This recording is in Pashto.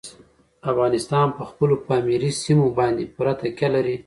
افغانستان په خپلو پامیر سیمو باندې پوره تکیه لري.